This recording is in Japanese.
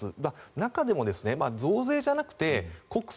中でも、増税じゃなくて国債